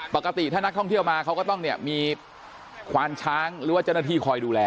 ปกติถ้านักท่องเที่ยวมาเขาก็ต้องเนี่ยมีควานช้างหรือว่าเจ้าหน้าที่คอยดูแล